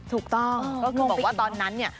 ถูกต้องงงไปอีกแล้วก็คือบอกว่าตอนนั้นเนี่ย